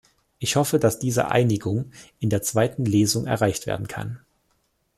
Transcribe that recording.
Ich hoffe, dass diese Einigung in der zweiten Lesung erreicht werden kann.